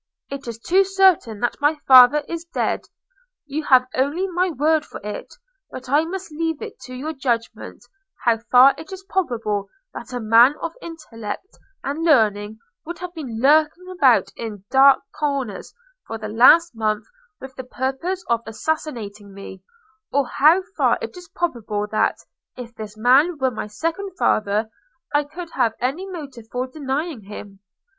It is too certain that my father is dead. You have only my word for it; but I must leave it to your judgment how far it is probable that a man of intellect and learning would have been lurking about in dark corners for the last month with the purpose of assassinating me; or how far it is probable that, if this man were my second father, I could have any motive for denying him.